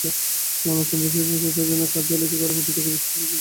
মামলার তদন্তসংশ্লিষ্ট সূত্র জানায়, কার্ড জালিয়াতি করে কোটি টাকার বেশি তুলেছেন পিওটর।